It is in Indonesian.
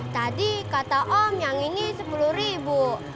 tadi kata om yang ini sepuluh ribu